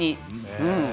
うん。